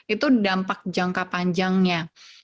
itu dampak jangka panjangnya